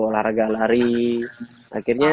larga lari akhirnya